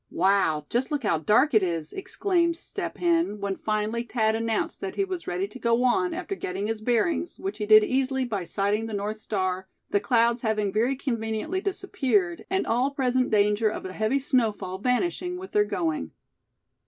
"Wow! just look how dark it is!" exclaimed Step Hen, when finally Thad announced that he was ready to go on, after getting his bearings, which he did easily by sighting the North star, the clouds having very conveniently disappeared, and all present danger of a heavy snowfall vanishing with their going.